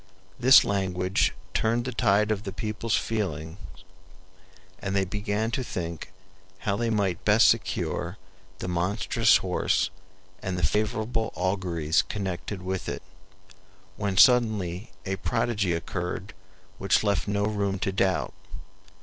This language turned the tide of the people's feelings and they began to think how they might best secure the monstrous horse and the favorable auguries connected with it, when suddenly a prodigy occurred which left no room to doubt.